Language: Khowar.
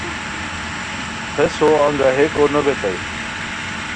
ہیس ہو انگاہیکو نوبیتائے